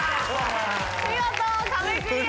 見事壁クリアです。